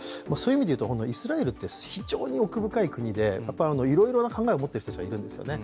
イスラエルって非常に奥深い国でいろいろな考えを持っている人たちがいるんですね。